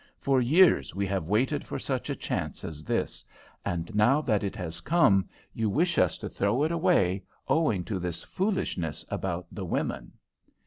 For years we have waited for such a chance as this, and now that it has come, you wish us to throw it away owing to this foolishness about the women."